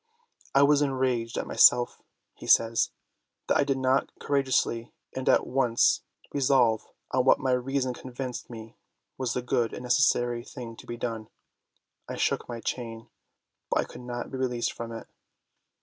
"I was enraged at myself," he says, "that I did not courageously and at once resolve on what my reason convinced me was the good and necessary thing to be done. ... I shook my chain ... but could not be released from it."